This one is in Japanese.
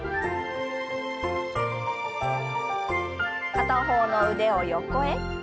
片方の腕を横へ。